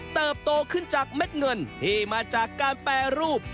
โตขึ้นจากเม็ดเงินที่มาจากการแปรรูป